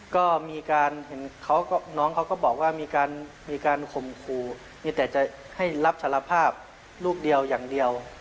ก็มีการเห็นเขาก็น้องเขาก็บอกว่ามีการข่มขู่มีแต่จะให้รับสารภาพลูกเดียวอย่างเดียว